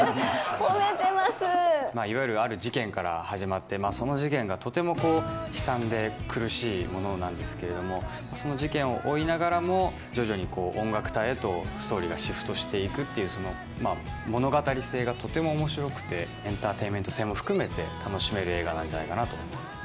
いわゆるある事件から始まって、その事件がとても悲惨で苦しいものなんですけれども、その事件を追いながらも、徐々に音楽隊へと、ストーリーがシフトしていくっていう、物語性がとてもおもしろくて、エンターテインメント性も含めて楽しめる映画だなと思います。